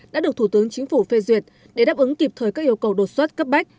đã được thủ tướng chính phủ phê duyệt để đáp ứng kịp thời các yêu cầu đột xuất cấp bách